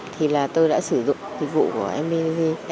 thì là tôi đã sử dụng dịch vụ của mbg